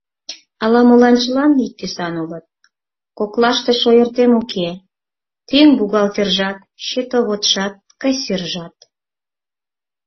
Ала-молан чылан ик тӱсан улыт, коклаштышт ойыртем уке: тӱҥ бухгалтержат, счетоводшат, кассиржат.